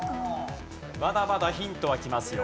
まだまだヒントはきますよ。